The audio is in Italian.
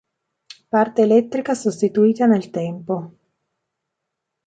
Parte elettrica sostituita nel tempo.